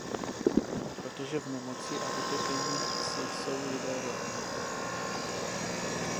Protože v nemoci a utrpení si jsou lidé rovni.